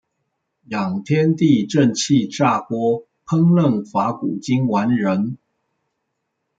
養天地正氣炸鍋，烹飪法古今完人